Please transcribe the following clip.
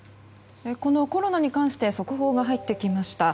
このコロナに関して速報が入ってきました。